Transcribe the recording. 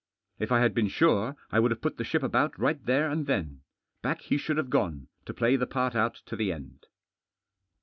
If I had been sune> I would have put the ship about right there attd then. Back he should have gone, to play the part otit td the end.